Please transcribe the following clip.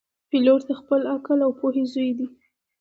پیلوټ د خپل عقل او پوهې زوی دی.